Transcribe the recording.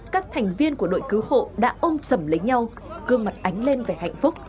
các thành viên của đội cứu hộ đã ôm trầm lấy nhau gương mặt ánh lên về hạnh phúc